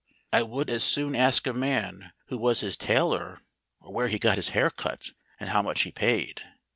I would as soon ask a man who was his tailor or where he got his hair cut and how much he paid.